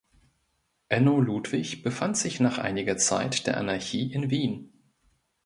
Enno Ludwig befand sich nach einiger Zeit der Anarchie in Wien.